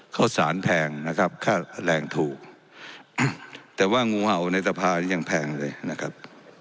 ข้าวสารแพงนะครับค่าแรงถูกแต่ว่างูเห่าในสภานี้ยังแพงเลยนะครับ